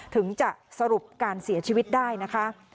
ถึงจะสรุปการเสียชีวิตได้นะคะ